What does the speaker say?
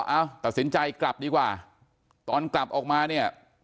จากนั้นก็เอ้าตัดสินใจกลับดีกว่าตอนกลับออกมาเนี่ย